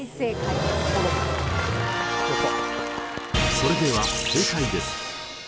それでは正解です！